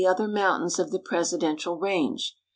87 Other mountains of the Presidential Range.